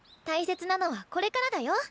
大切なのはこれからだよ。